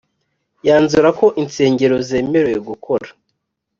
yanzura ko insengero zemerewe gukora